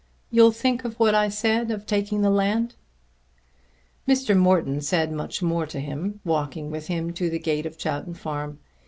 You'll think of what I said of taking the land?" Mr. Morton said much more to him, walking with him to the gate of Chowton Farm.